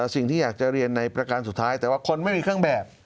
สิ่งที่อยากจะเรียนในประการสุดท้ายแต่ว่าคนไม่มีเครื่องแบบ